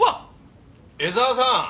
江沢さん！